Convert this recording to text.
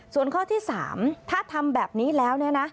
ส่วนข้อที่๓ถ้าทำแบบนี้แล้วเนี่ยนะ